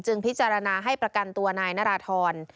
จึงพิจารณาให้ประกันตัวนายนรทร